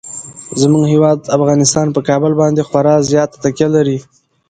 زموږ هیواد افغانستان په کابل باندې خورا زیاته تکیه لري.